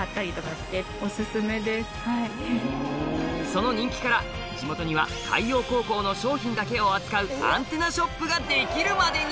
その人気から地元には海洋高校の商品だけを扱うアンテナショップが出来るまでに！